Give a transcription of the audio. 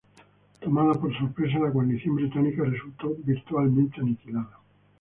Tomada por sorpresa, la guarnición británica resultó virtualmente aniquilada.